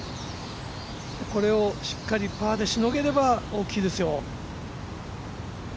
これをしっかりパーでしのげれば大きいですよ。